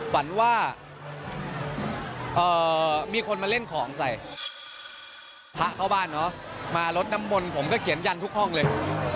ฝันว่ามีคนมาเล่นของใส่พระเข้าบ้านเนาะมาลดน้ำมนต์ผมก็เขียนยันทุกห้องเลย